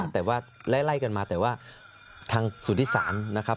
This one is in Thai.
แต่ว่าไล่กันมาแต่ว่าทางสุธิศาลนะครับ